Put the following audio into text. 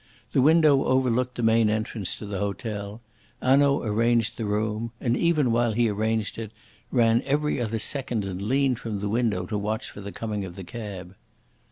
The window overlooked the main entrance to the hotel. Hanaud arranged the room, and, even while he arranged it, ran every other second and leaned from the window to watch for the coming of the cab.